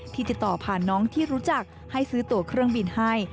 ติดต่อผ่านน้องที่รู้จักให้ซื้อตัวเครื่องบินให้